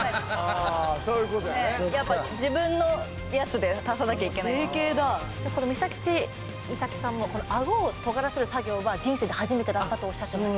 あそういうことやねやっぱ自分のやつで足さなきゃいけないみさきちみさきさんもこの顎をとがらせる作業は人生で初めてだったとおっしゃってます